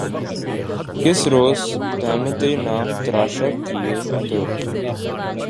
کس روز تہمتیں نہ تراشا کیے عدو